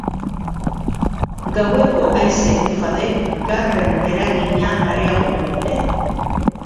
Gaueko haize-ufadek garren eragina areagotu dute.